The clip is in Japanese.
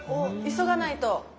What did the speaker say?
急がないと。